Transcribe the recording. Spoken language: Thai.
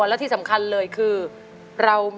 เพลงที่๑มูลค่า๑๐๐๐๐บาท